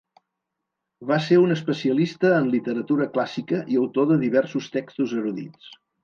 Va ser un especialista en literatura clàssica i autor de diversos textos erudits.